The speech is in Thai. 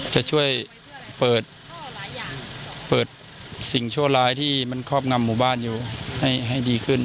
จะช่วยเปิดสิ่งชั่วร้ายที่มันครอบงำหมู่บ้านอยู่ให้ดีขึ้น